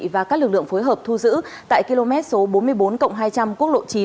và các lực lượng phối hợp thu giữ tại km số bốn mươi bốn cộng hai trăm linh quốc lộ chín